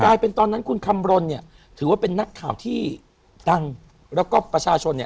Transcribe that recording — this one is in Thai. ตอนนั้นคุณคำรณเนี่ยถือว่าเป็นนักข่าวที่ดังแล้วก็ประชาชนเนี่ย